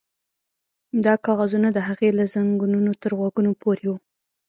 دا کاغذونه د هغې له زنګنو تر غوږونو پورې وو